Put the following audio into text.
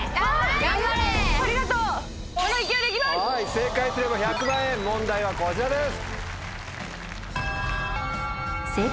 正解すれば１００万円問題はこちらです。